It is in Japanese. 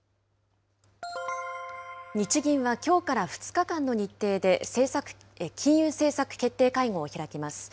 日銀はきょうから２日間の日程で金融政策決定会合を開きます。